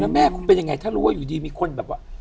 แม่คุณเป็นยังไงถ้ารู้ว่าอยู่ดีมีคนแบบว่า